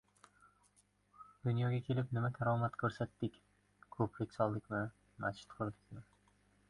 —Dunyoga kelib, nima karomat ko‘rsatdik?! Ko‘prik soldikmi, machit qurdikmi...